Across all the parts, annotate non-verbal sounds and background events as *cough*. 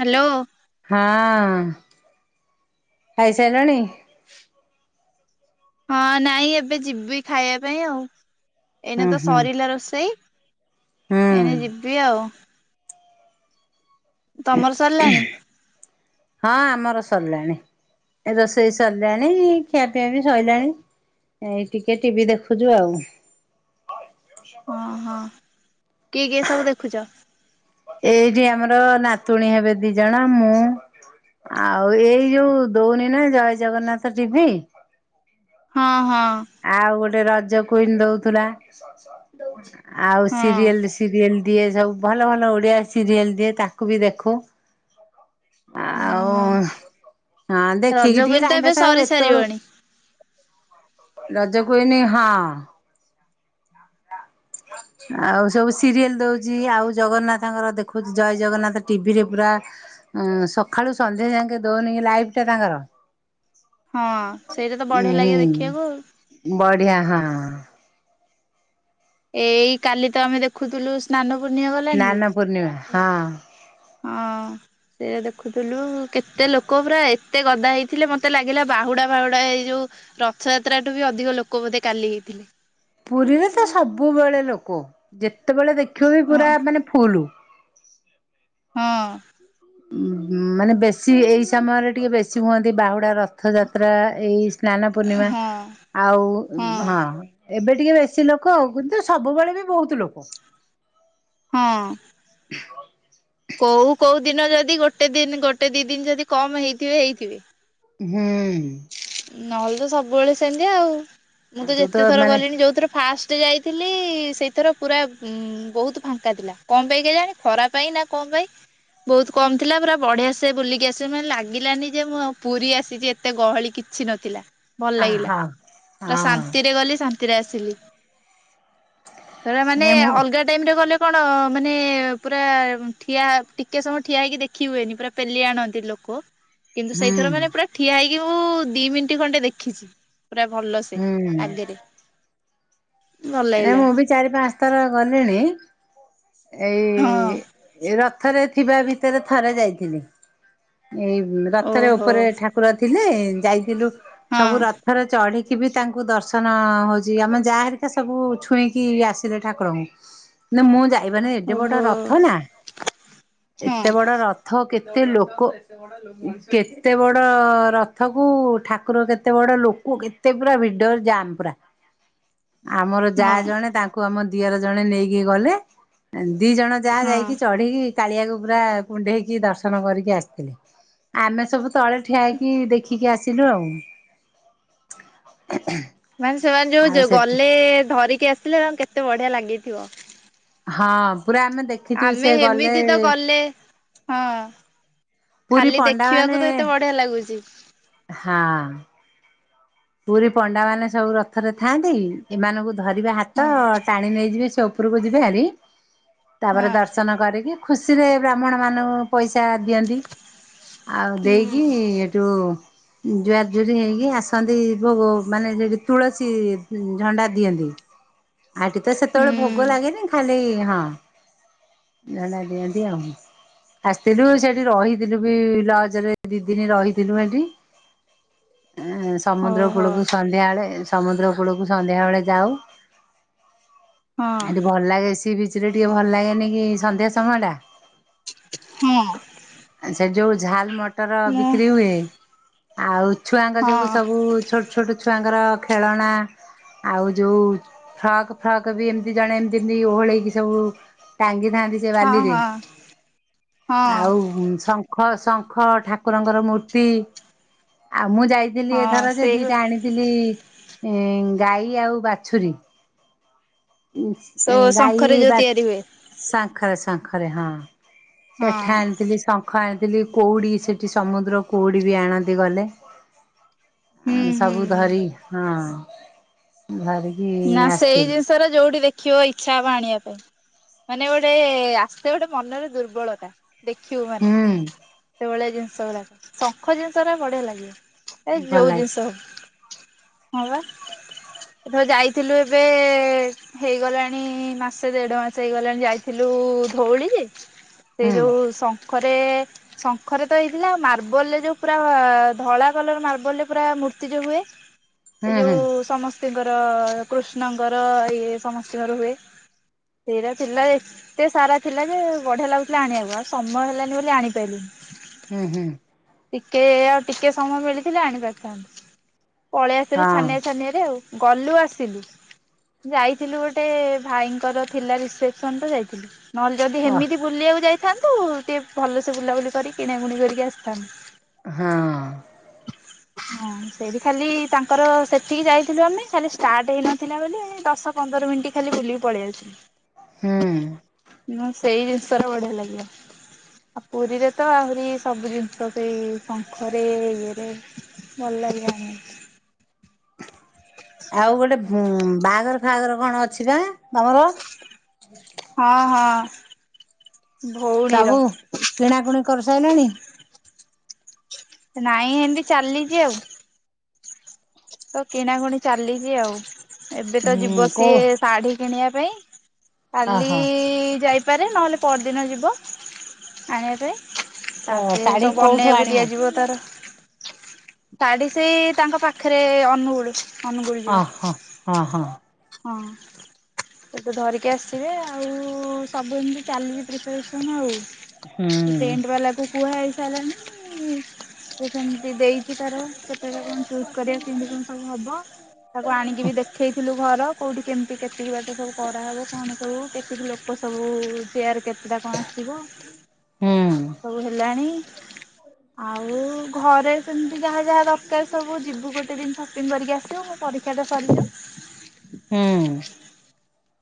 Hello ହଁ ଖାଇସାରିଲାଣି? ହଁ ନାଇଁ ଏବେ ଯିବି ଖାଇବା ପାଇଁ ଆଉ। ଏଇନେ ହୁଁ ତ ହୁଁ ସରିଲା ରୋଷେଇ ହୁଁ ଏଇନେ ଯିବି ଆଉ। ତମର ସରିଲାଣି? ହଁ ଆମର ସରିଲାଣି। ଏ ରୋଷେଇ ସରିଲାଣି ଖିଆପିଆ ବି ସରିଲାଣି। ଏଇ ଟିକେ ଟିଭି ଦେଖୁଛୁ ଆଉ। ହଁ ହଁ କିଏ କିଏ ସବୁ ଦେଖୁଛ? ଏଇଠି ଆମର ନାତୁଣୀ ହେବେ ଦି ଜଣ ମୁଁ। ଆଉ ଏଇ ଯୋଉ ଦଉନି ନା ଜୟ ଜଗନ୍ନାଥ ଟିଭି। ହଁ ହଁ। ଆଉ ଗୋଟେ ରଜ କୁଇନ ଦଉଥିଲା। ଆଉ ହଁ ସିରିଏଲ ସିରିଏଲ ଦିଏ ସବୁ ଭଲ ଭଲ ଓଡ଼ିଆ ସିରିଏଲ ଦିଏ ତାକୁ ବି ଦେଖୁ। ହଁ ହଁ। ଆଉ ହଁ ରଜ ଦେଖିକି ଟିକେ କୁଇନ ତ ଟାଇମ ଏବେ ପାସ ସରି ଆଉ ଏତେବେଳୁ ସାରିବଣି ରଜ କୁଇନ ହଁ। *inaudible* ଆଉ ସବୁ ସିରିଏଲ ଦଉଛି ଆଉ ଜଗନ୍ନାଥଙ୍କର ଦେଖୁଛୁ ଜୟ ଜଗନ୍ନାଥ ଟିଭିରେ ପୁରା। ଉଁ ସକାଳୁ ସନ୍ଧ୍ୟା ଯାଇକେ ଦଉନି ଲାଇଫ୍ ଟା ତାଙ୍କର। ହଁ ସେଇଟା ତ ବଢ଼ିଆ ଲାଗେ ଦେଖିବାକୁ। ବଢ଼ିଆ ହଁ। ଏଇ କାଲି ତ ଆମେ ଦେଖୁଥିଲୁ ସ୍ନାନ ପୂର୍ଣ୍ଣିମା ଗଲାନି ସ୍ନାନ କି? ପୂର୍ଣ୍ଣିମା ହଁ। ହଁ। ସେଏ ଦେଖୁଥିଲୁ କେତେ ଲୋକ ପୁରା ଏତେ ଗଦା ହେଇଥିଲେ ମତେ ଲାଗିଲା ବାହୁଡ଼ା ବାହୁଡ଼ା ହେଇଯୋଉ ରଥଯାତ୍ରାଠୁ ବି ଅଧିକ ଲୋକ ବୋଧେ କାଲି ହେଇଥିଲେ। ପୁରୀରେ ତ ସବୁବେଳେ ଲୋକ ଯେତେବେଳେ ଦେଖିବ ବି ହଁ ପୁରା ମାନେ ଫୁଲ। ହଁ। ମାନେ ବେଶୀ ଏଇ ସମୟରେ ଟିକେ ବେଶୀ ହୁଅନ୍ତି ବାହୁଡ଼ା ରଥଯାତ୍ରା ଏଇ ସ୍ନାନ ପୂର୍ଣ୍ଣିମା ହଁ। ଆଉ ହଁ। ଏବେ ଟିକେ ବେଶୀ ଲୋକ ଆଉ କିନ୍ତୁ ସବୁବେଳେ ବି ବହୁତ ଲୋକ। ହଁ। କୋଉ କୋଉ ଦିନ ଯଦି ଗୋଟେ ଦିନ ଗୋଟେ ଦି ଦିନ ଯଦି କମ୍ ହେଇଥିବେ ହେଇଥିବେ। ହୁଁ। ନହେଲେ ତ ସବୁବେଳେ ସେମିତିଆ ଆଉ। ମୁଁ ହୁଁ ତ ତୁ ଯେତେ ଥର ମାନେ ଗଲିଣି ଯୋଉଥର ଫାଷ୍ଟ ଯାଇଥିଲି ସେଇଥର ପୁରା ବହୁତ ଫାଙ୍କା ଥିଲା। କଣ ପାଇଁ କା ଜାଣି ଖରା ପାଇଁ ନା କଣ ପାଇଁ। ବହୁତ କମ ଥିଲା ପୁରା ବଢ଼ିଆ ସେ ବୁଲିକି ଆସିବେ। ମାନେ ଲାଗିଲାନି ଯେ ମୁଁ ଆଉ ପୁରୀ ଆସିଛି ଏତେ ଗହଳି କିଛି କିଛି ନଥିଲା ଭଲ ଲାଗିଲା ଆହା ପୁରା ହଁ ଶାନ୍ତିରେ ଗଲି ଶାନ୍ତିରେ ଶାନ୍ତିରେ ଆସିଲି। ତ ମାନେ ନାଇଁ ମୁଁ ଅଲଗା ଟାଇମରେ ଗଲେ କଣ ମାନେ ପୁରା ଠିଆ ଟିକେ ସମୟ ଠିଆ ହେଇକି ଦେଖି ଦେଖି ହୁଏନି ପୁରା ପେଲି ଆଣନ୍ତି ଲୋକ। *inaudible* କିନ୍ତୁ ସେଇଥର ମାନେ ପୁରା ଠିଆ ହେଇକି ମୁଁ ଦି ମିନିଟ ଖଣ୍ଡେ ଦେଖିଛି। ପୁରା ଭଲ ସେ ହୁଁ ଆଗରେ। ଭଲ ନାଇ ଲାଗିଲା ମୁଁ ବି ଚାରି ପାଞ୍ଚ ଥର ଗଲିଣି। ହଁ ଏଇ ରଥ ରଥରେ ଥିବା ଭିତରେ ଥରେ ଯାଇଥିଲି। ଏଇ ରଥରେ ଓହୋ। ଉପରେ ଠାକୁର ଠାକୁର ଥିଲେ ଯାଇଥିଲୁ ହଁ ସବୁ ରଥ ରଥରେ ଚଢ଼ିକି ବି ତାଙ୍କୁ ଦର୍ଶନ ହଉଛି ଆମେ ଯା ହେରିକା ସବୁ ଛୁଇଁକି ଆସିଲେ ଠାକୁରଙ୍କୁ। ନା ମୁଁ ଯାଇବାନି ଏତେ ବଡ଼ ଓହୋ ରଥ ନା। ଏତେ ହଁ ବଡ଼ ରଥ ଥ କେତେ ଲୋକ କେତେ ବଡ଼ ରଥକୁ ଠାକୁର କେତେ ବଡ଼ ଲୋକ କେତ୍ ତେ ପୁରା ଭିଡ଼ ଯାମ୍ ପୁରା। ଆମର ହଁ ଯାହା ଜଣେ ତାଙ୍କୁ ଆମ ଦିଅର ଜଣେ ନେଇକି ଗଲେ ଦି ଜଣ ଯାହା ହଁ। ଯାଇକି ଚଢିକି କାଳିଆକୁ ପୁରା କୁଢେଇକି ଦର୍ଶନ କରିକି ଆସିଥିଲେ। ଆମେ ସବୁ ତଳେ ଠିଆ ହେକି ଦେଖିକି ଆସିଲୁ ଆଉ। ମାନେ ସେମାନେ ଆଉ ଯୋଉ ସେଠି ଗଲେ ଧରିକି ଆସିଲେ ତାଙ୍କୁ କେତେ ବଢିଆ ଲାଗିଥିବ ହଁ ପୁରା ଆମେ ଦେଖିଛୁ ଆମେ ସେ ଗଲେ ଏମିତି ତ ଗଲେ ହଁ ପୁରୀ ଖାଲି ପଣ୍ଡା ମାନେ ଦେଖିବାକୁ ତ ଏତେ ବଢିଆ ଲାଗୁଛି। ହଁ ପୁରୀ ପଣ୍ଡା ମାନେ ସବୁ ରଥରେ ଥାଆନ୍ତି ଏମାନଙ୍କୁ ଧରିବେ ହାତ ହଁ ଟାଣି ନେଇଯିବେ ସେ ଉ ପରକୁ ଯିବେ ହୋର ହଁ ତାପରେ ଦର୍ଶନ କରିକି ଖୁସିରେ ବ୍ରାହ୍ମଣ ମାନଙ୍କୁ ପଇସା ଦିଅନ୍ତି। ଆଉ ହୁଁ ଦେଇକି ଏଇଠୁ ଜୁଆଜରି ହେଇକି ଆସନ୍ତ ଭୋଗ ମାନେ ଯଠି ତୁଳସୀ ଝଣ୍ଡା ଦିଅନ୍ତି ଆଠ ତ ସେତେବେଳେ ଭୋଗ ହୁଁ। ଲାଗେନି ଖାଲି ହଁ *unintelligible* ଦିଅନ୍ତି ଆଉ ଆସିଥିଲୁ ସେଠି ରହିଥିଲୁ ବି ଲଜରେ ଦି ଦିନ ରହିଥିଲୁ ସେଠି। ଏଁ ସମୁଦ୍ର ଓହୋ ହଁ କୂଳକୁ ସନ୍ଧ୍ୟା ବେଳେ ସମୁଦ୍ର କୂଳକୁ ସନ୍ଧ୍ୟା ବେଳେ ଯାଉ। ଆ ଟ ଭଲ ଲାଗେ ସି ବିଚ ରେ ଟିକେ ଭଲ ଲାଗେନି କି ସନ୍ଧ୍ୟା ସମୟ ଟା? ହଁ ସେଠି ଯୋଉ ଝାଲ ମଟର ମୁଁ ହଁ ବିକ୍ରି ହୁଏ ଆଉ ଛୁଆଙ୍କ ଯୋଗୁଁ ହଁ ଛୋଟ ଛୋଟ ଛୁଆଙ୍କର ଖେଳଣା ଆଉ ଯୋଉ ଫ୍ରକ୍ ଫ୍ରକ୍ ବି ଏମତି ଜଣେ ଏମତି ଏମତି ଓହଳେଇକି ସବୁ ଟାଙ୍ଗିଥାନ୍ତି ସେ ବାଲିରେ ହଁ ହଁ ଆଉ ସ ଙ୍ଖ ଶଙ୍ଖ ଠାକୁରଙ୍କର ମୂର୍ତ୍ତି ଆଉ ମୁଁ ଯାଇ ହଁ ସେଇ ଗୋ ଥିଲି ଗାଈ ଆଉ ବାଛୁରୀ ସୋ ଗାଈ ଶଙ୍ଖରେ ଯୋଉ ବା ତିଆରି ହୁଏ ଶଙ୍ଖରେ ଶଙ୍ଖରେ ହଁ ସେ ହଁ ଠାଣ ଶଙ୍ଖ ଖ ଆଣିଥିଲି କଉଡ଼ି ସେଇଠି ସମୁଦ୍ର କଉଡ଼ି ବି ଆଣନ୍ତି ଗଲେ ହୁଁ ହୁଁ ସବୁ ହୁଁ ଧରି ହଁ ଧରିକି ନା ସେଇ ଆସିଥିଲି। ଜିନିଷ ର ଯୋଉଠି ଦେଖିବ ଇଚ୍ଛା ହବ ଆଣିବା ପାଇଁ। ମାନେ ଗୋଟେ ଆସ୍ତେ ଗୋଟେ ମନରେ ଦୁର୍ବଳତା। ଦେଖିବୁ ମାନେ ହୁଁ ସେଭଳିଆ ଜିନିଷ ଗୁଡାକ ଶଙ୍ଖ ଜିନିଷ ଟା ବଢିଆ ଲାଗିବ ଏ ଭଲ ଯୋଉ ଲାଗେ ଜିନିଷ ହବ ହଁ ବା ଏ ଯାଇ ଥିଲୁ ଏବେ ହେଇଗଲାଣି ମାସେ ଦେଢ ମାସ ହେଇଗଲାଣି ଯାଇଥିଲୁ ଧଉଳି ଯେ ସେ ହୁଁ ଯେଉଁ ଶଙ୍ଖରେ ଶଙ୍ଖରେ ତ ଏଇଥିଲା ମାର୍ବଲ ରେ ଯୋଉ ପୁରା ଧଳା କଲର ମାର୍ବଲ ରେ ପୁରା ମୂର୍ତ୍ତି ଯୋଉ ହୁଏ *inaudible* ଏ ଯୋଉ ସମସ୍ତିଙ୍କର କୃଷ୍ଣଙ୍କର ଇ ସମସ୍ତିଙ୍କର ହୁଏ ସେର ଥିଲା ଦେ ଏତେ ସାରା ଥିଲା ଯେ ବଢିଆ ଲାଗୁଥିଲା ଆଣିବାକୁ ଆଉ ସମୟ ହେଲାନି ବୋଲି ଆଣିପାଇଲି ହୁଁ ହୁଁ ଟିକେ ଆଉ ଟିକେ ସମୟ ମିଳିଥିଲେ ଆଣପାରଥାନ୍ତି। ପଳେଇ ଆସିଲୁ ହଁ ଛାନିଆ ଛାନିଆରେ ଆଉ ଗଲୁ ଆସିଲୁ। ଯାଇଥିଲୁ ଗୋଟେ ଭାଇଙ୍କର ଥିଲା ରିସେପସନ ତ ଯାଇଥିଲୁ ନହେଲେ ଯଦି ଅ ହେମିତି ବୁଲିବାକୁ ଯାଇଥାନ୍ତୁ ଟିକେ ଭଲସେ ବୁଲାବୁଲି କରି କିଣାକୁୁଣି କରିକି ଆସିଥାନ୍ତୁ। ହଁ। ହଁ ସେଇଠି ଖାଲି ତାଙ୍କର ସେଠିକି ଯାଇଥିଲୁ ଆମେ ଖାଲି ଷ୍ଟାର୍ଟ ହେଇନ ଥିଲା ବୋଲି ଦଶ ପନ୍ଦର ମିନିଟ ଖାଲି ବୁଲିକି ପଳେଇ ଯାଉଥି ହୁଁ। ନା ସେଇ ଜିନିଷ ର ବଢିଆ ଲାଗିବ। ଆଉ ପୁରୀରେ ତ ଆହୁରି ସବୁ ଜିନିଷ ସେଇ ଶଙ୍ଖରେ ଇଏରେ ଭଲ ଲାଗି ବନି। ଆଉ ଗୋଟେ ବାହାଘର ଫାଗର କଣ ଅଛି ପା? ତମର? ହଁ ହଁ। ଭଉଣୀର ସବୁ କିଣାକୁଣି କରିସାରିଲଣି? ନାଇଁ ଏମିତି ଚାଲିଛି ଆଉ। ତ କିଣାକୁଣି ଚାଲିଛି ଆଉ ଏବେ ତ ହୁଁ ଯିବ କୋଉ ସିଏ ଶାଢୀ କିଣିବା ପାଇଁ କାଲି ଓହୋ ଯାଇ ପାରେ ନହେଲେ ପରଦିନ ଯିବ ଆଣିବା ପାଇଁ। ତାପରେ ଶାଢୀ ସବୁ କୋଉଠୁ ବନେଇ ଆକୁ ଆଣିବ? ଦିଆଯିବ। ର ଶାଢୀ ସେଇ ତାଙ୍କ ପାଖରେ ଅନୁଗୁଳ। ଅନୁଗୁଳୁ ଯିବ, ଓହୋ ହଁ ହଁ ହଁ। ଏବେ ଧରିକି ଆସିବେ ଆଉ ସବୁ ଏମିତି ଚାଲିଚି ପ୍ରିପାରେସନ ହୁଁ ଆଉ। ଟେଣ୍ଟ ବାଲାକୁ କୁହା ହେଇ ସାରିଲାଣିି। ତ ସେମିତି ଦେଇଛିି ତାର ସେତେବେ କଣ ଚୁଜ କରିବା କେମିତି କଣ ସବୁ ହବ। ତାକୁ ଆଣିକି ବି ଦେଖେଇଥିଲୁ ଘର କୋଉଠି କେମିତି କେତିକି ବାଟ ସବୁ କରାହେବ କଣ କୁ କେତ ଲୋ କ ସବୁ ଚେୟାର କେତେଟା କଣ ଆସିିବ? ହୁଁ ସବୁ ହେଲାଣି ଆଉ ଘରେ ସେମିତି ଯାହା ଯାହା ଦରକାର ସବୁ ଯିବୁ ଗୋଟେ ଦିନ ସପିଙ୍ଗ କରିକି ଆସିବୁ ମୁଁ ପରୀକ୍ଷାରେ ସରିିଯିବ। ହୁଁ।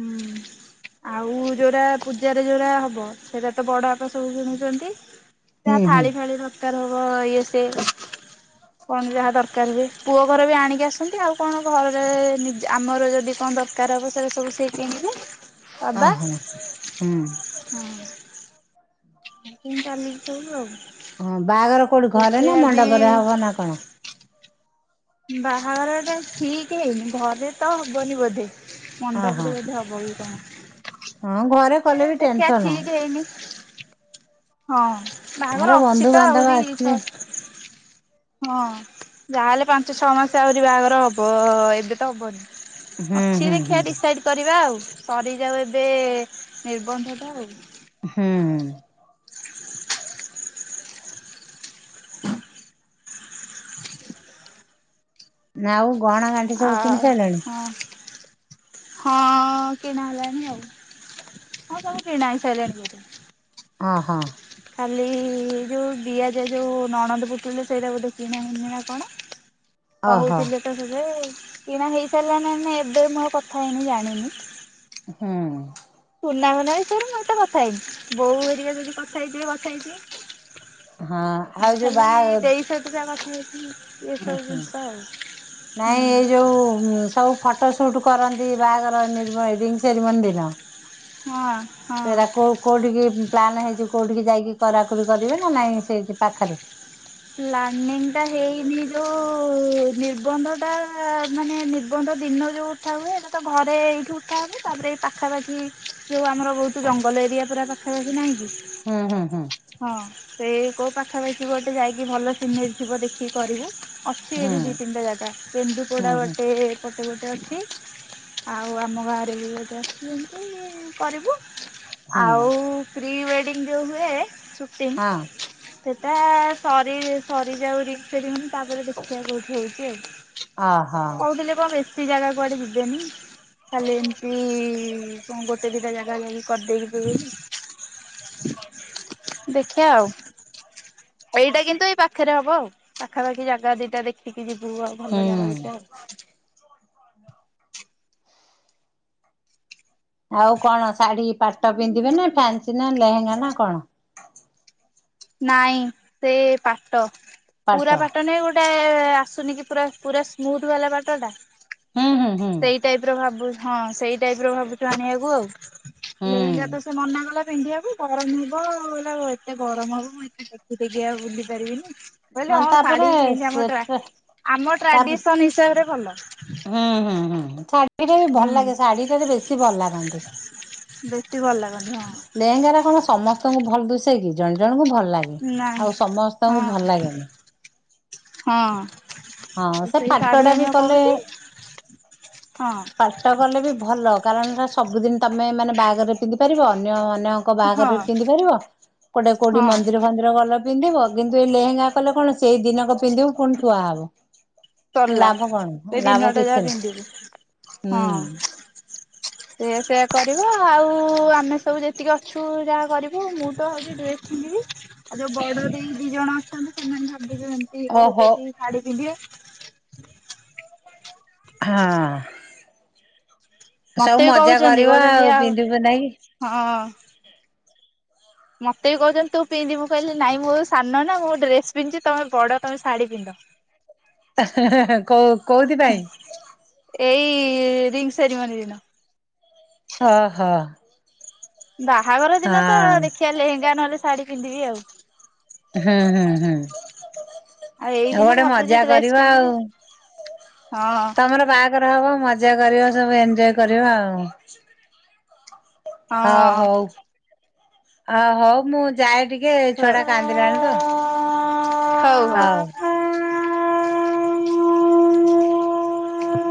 ହୁଁ। ଆଉ ଯୋଉଟା ପୂଜାରେ ଯୋଉଟା ହବ ସେଇଟା ତ ବଡ ବାପା ସବୁ ଶୁଣୁଛନ୍ତି। ଯାହା ହୁଁ ହୁଁ। ଥାଳି ଫାଳି ଦରକାର ହବ ଇଏ ସେ କଣ ଯାହା ଦରକାର ହୁଏ ପୁଅ ଘର ବି ଆଣିକି ଆସନ୍ତି ଆଉ କଣ ଘରେ ଆମର ଯଦି କଣ ଦର ରକାର ହବ ସେରା ସବୁ ସେ କିଣିବେ ବାବା। ଓହୋ ହୁଁ ହଁ ଏମତି ହିଁ ଚାଲଚି ସବୁ। ହଁ ବାହାଘର କୋଉଠି ଘରେ ନା ରୋଷେଇଆ ବି ମଣ୍ଡପରେ ହବ ନା କଣ? ବାହାଘର ଟା ଠିକ ହେଇନି ଘରେ ତ ହବନି ବୋଧେ ଓହୋ ମଣ୍ଡପରେ ବୋଧେ ହବ। ହବକି କଣ, ହଁ ଘରେ କଲେ ମାନେ ବି ଦେଖିବା ଟେନସନ ଠିକ ହେଇନି। ହଁ ବାହାଘର ଏରା ଅଛି ତ ବନ୍ଧୁବାନ୍ଧବ ଆହୁରି ଆସିବେ। ହଁ ଯାହାହେଲେ ପାଞ୍ଚ ଛଅ ମାସ ଆହୁରି ବାହାଘର ହବ ଏବେ ତ ହବନି। ହୁଁ ଅଛି ହୁଁ ହୁଁ ଦେଖିଆ ଡିସାଇଡ କରିବା ଆଉ ସରିଯାଉ ଏବେ ନିର୍ବନ୍ଧ ଟା ଆଉ। ହୁଁ। *inaudible* ନାଉ ଗହଣା ଗାଣ୍ଠି ସବୁ କିଣି ଆଃ ସାରିଲଣି? ହଁ ହଁ କି ନାଁ ଜାଣିନି ଆଉ। ହଁ ସବୁ କିଣା ହେଇସାରିଲାଣି ବୋଧେ। ହଁ ହଁ। ଖାଲି ଯୋଉ ଦିଆଯାଏ ଯୋଉ ନଣନ୍ଦ ପୁଟୁଳି ସେଇଟା ବୋଧେ କିଣା ହେଇନି ନା କଣ। ହ କହୁଥିଲେ ତ ସେବେ। କିଣା ହେଇ ସାରିଲାଣି ନା ନାହିଁ ଏବେ ମୁଁ ଆଉ କଥା ହେଇନି ଜାଣିନି। ହୁଁ। ସୁନା ଫୁନା ବିଷୟରେ ମୁଁ ଏତେ କଥା ହେଇନି। ବୋଉ ଘରିକା ଯଦି କଥା ହେଇଥିବେ କଥା ହେଇଥିବେ। ହଁ ମୁଁ ଆଉ ଯୋଉ ଖାଲି ବାହା *unintelligible* କଥା ହେଇଥିଲି। ଏସବୁ ଉଁହୁଁ ଜିନିଷ ଆଉ। ନାଇଁ ଏଇ ଯୋଉ ଉଁ ସବ୍ ଫଟୋ ସୁଟ୍ କରନ୍ତି ବାହାଘର ନିର୍ବ ରିଙ୍ଗ ସେରିମନି ଦିନ ହଁ ହଁ। ସେଇଟା କୋଉ କୋଉଠିକି ପ୍ଲାନ୍ ହେଇଛି କୋଉଠିକି ଯାଇକି କରାକରି କରିବେ ନା ନାଇଁ ସେଇଠି ପାଖେରେ? ପ୍ଲାନିଂଟା ହେଇନି ଯୋଉ ନିର୍ବନ୍ଧଟା ମାନେ ନିର୍ ବନ୍ଧ ଦିନ ଯୋଉ ଉଠା ହୁଏ ଏଇଟା ତ ଘରେ ଏଇଠି ଉଠା ହୁଏ। ତା ପରେ ଏଇ ପାଖାପାଖି ଯୋଉ ଆମର ବହୁତ ଜଙ୍ଗଲ ଏରିଆ ପୁରା ପାଖାପାଖି ନାହିଁ କି? ହୁଁ ହୁଁ ହୁଁ। ହଁ ସେଇ କୋଉ ପାଖାପାଖି ଗୋଟେ ଯାଇକି ଭଲ ସିନେରୁ ଥିବ ଦେଖିକି କରିବୁ। ଅଛି ହୁଁ ଏଇଠି ଦି ତିନିଟା ଜାଗା। ହୁଁ କେନ୍ଦୁପୋଡା ହୁଁ। ଗୋଟେ ଏ-ଏପଟେ ଗୋଟେ ଅଛି। ଆଉ ଆମ ଗାଁରେ ବି ଗୋଟେ ଅଛି ଏମିତି କରିବୁ। ହୁଁ ଆଉ ପ୍ରି ୱେଡିଙ୍ଗ ଯୋଉ ହୁଏ ସୁଟିଂ ହଁ ସେଇଟା ସରି-ସରିଯାଉ ରିଙ୍ଗ୍ ସେରିମନି ତା ପରେ ଦେଖିଆ କୋଉଠି ହଉଛି ଆଉ। ଓହୋ କହୁଥିଲେ କଣ ବେଶୀ ଜାଗା କୁଆଡେ ଯିବେନି। ଖାଲି ଏମିତି କଣ ଗୋଟେ ଦିଟା ଜାଗା ଯାଇକି କରିଦେଇକି। *unintelligible* ହେ ଦେଖିଆ ଆଉ। ଏଇଟା କିନ୍ତୁ ଏଇ ପାଖେରେ ହବ ଆଉ। ପାଖାପାଖି ଜାଗା ଦିଟା ଦେଖିକି ଯିବୁ ଆଉ ଭଲ ହୁଁ ଜାଗା ଦିଟା ଆଉ। ଆଉ କଣ ଶାଢୀ ପାଟ ପିନ୍ଧିବେ ନା ଫ୍ୟାନ୍ସି ନା ଲେହେଙ୍ଗା ନା କଣ? ନାଇଁ ସେ ପାଟ। ପୁରା ପାଟ ନାଇ ଗୋ ଟେ ଆସୁନି କି ପୁରା ପୁରା ସ୍ମୁୁୁଥ୍ ବାଲା ପାଟ ଟା। ହୁଁ ହୁଁ ହୁଁ। ସେ ଟାଇପର ଭାବୁ ହଁ ସେଇ ଟାଇପର ଭାବୁଛୁ ଆଣିବାକୁ ଆଉ। ଲେହେଙ୍ଗା ତ ସେ ହୁଁ ମନା କଲା ପିନ୍ଧିବାକୁ। ଗରମ ହବ କହିଲା ଏତେ ଗରମ ହବ ମୁଁ ଏତେ ଟେକି ଟେକି ଆଉ ବୁଲି ପାରିବିନି। ମୁଁ କହିଲି ହଁ ତାପରେ ଶାଢୀ ବି ପିନ୍ଧ୍ ଆମ ଟ୍ରା ସେଟା ଆମ ତାପ ଟ୍ରାଡିସନ ହିସାବରେ ଭଲ। ହୁଁ ହୁଁ ହୁଁ ହୁଁ ଶାଢୀଟା ବି ଭଲ ଲାଗେ ହୁଁ ଶାଢୀଟାରେ ବେଶୀ ଭଲ ଲାଗନ୍ତି। ବେଶୀ ଭଲ ଲାଗନ୍ତି ହଁ। ଲେହେଙ୍ଗାଟା କଣ ସମସ୍ତଙ୍କୁ ଭଲ ଦୁସେକି? ଜଣ ଜଣଙ୍କୁ ଭଲ ଲା ଗେ। ନାଇଁ ଆଉ ସମସ୍ତଙ୍କୁ ଭଲ ଲାଗେନି। ହଁ। ହଁ ସେ ସେଇ ଶାଢୀ ପାଟଟା ବି ଆଣିବାକୁ କଲେ କହୁଛି ହଁ ପା ଟ କଲେ ବି ଭଲ କାରଣ ସେଇଟା ସବୁଦିନ ତମେ ମାନେ ବାହାଘରରେ ପିନ୍ଧିପାରିବ ଅନ୍ୟ ଅନ୍ୟ ଙ୍କ ହଁ ବାହାଘରରେ ବି ପିନ୍ଧିପାରିବ। କୋଡେ କୋଉଠି ହଁ ମନ୍ଦିର ଫନ୍ଦିର ଗଲ ପିନ୍ଧିବ। କିନ୍ତୁ ଏଇ ଲେହେଙ୍ଗା କଲେ କଣ ସେଇ ଦିନକ ପିନ୍ଧିବ ପୁଣି ଥୁଆ ହବ। ସରିଲା ଲାଭ କଣ ସେଇ ଲାଭ ଦିନଟା କିଛି ଯାହା ପିନ୍ଧିବି ନାହିଁ ହଁ ହୁଁ। ସେ ସେଆ କରିବା ଆଉ ଆମେ ସବୁ ଯେତିକି ଅଛୁ ଯାହା କରିବୁ ମୁଁ ତ ହଉଚି ଡ୍ରେସ୍ ପିନ୍ଧିବି। ଆଉ ଯୋଉ ବଡ ଦେଇ ଦି ଜଣ ଅଛନ୍ତି ସେମାନେ ଭାବିବେ ଏମିତି ଓହୋ। କହୁଛନ୍ତି ଶାଢୀ ପିନ୍ଧିବେ। ହଁ ସବୁ ମତେ ବି ମଜା କହୁଛନ୍ତି କରିବା କହୁଛନ୍ତି ଆଉ ପିନ୍ଧି ପୁନ୍ଧାକି ହଁ। ମତେ ବି କହୁଛନ୍ତି ତୁ ପିନ୍ଧିବୁ କହିଲେ ନାଇଁ ମୋ ସାନ ନା ମୁ ଡ୍ରେସ ପିନ୍ଧୁଛି ତମେ ବଡ଼ ତମେ ଶାଢ଼ୀ ପିନ୍ଧ। କ କୋଉଥିପାଇଁ ଏଇ ରିଙ୍ଗ ସେରିମନି ଦିନ। ହ ହଁ ବାହାଘର ଦିନ ତ ଦେଖିବା ଲେହେଙ୍ଗା ନହେଲେ ଶାଢୀ ପିନ୍ଧିବି ଆଉ। ହୁଁ ହୁଁ ହୁଁ ଆଉ ଏଇ ଆଉ ଦିନ ଗୋଟେ ଭାବୁଛି ମଜା ଡ୍ରେସ କରିବା ପିନ୍ଧିବି ଆଉ ହଁ ତମର ବାହା ହବ ମଜା କରିବ ସବୁ ଏଞ୍ଜୟ୍ କରିବ ଆଉ ହଉ ହଁ ହଉ ଆ ହଉ ମୁଁ ଯାଏ ଟିକେ ଛୁଆ ହଉ ଟା କାନ୍ଦିଲାଣି ତ। ହଉ ହଉ। ହଁ